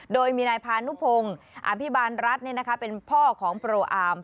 โดยมีนายพานุพงศ์อภิบาลรัฐเป็นพ่อของโปรอาร์ม